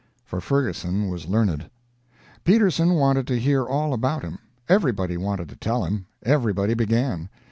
For Ferguson was learned. Peterson wanted to hear all about him; everybody wanted to tell him; everybody began.